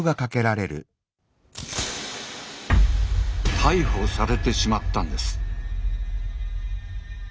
逮捕されてしまったんです。